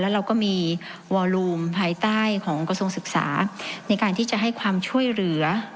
เราก็มีวอลูมภายใต้ของกระทรวงศึกษาในการที่จะให้ความช่วยเหลือ